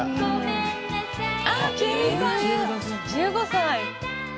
１５歳。